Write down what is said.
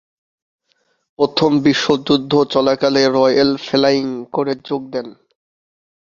প্রথম বিশ্বযুদ্ধ চলাকালে রয়্যাল ফ্লাইং কোরে যোগ দেন।